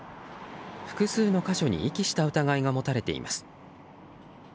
複数の箇所に遺棄した疑いが持たれています。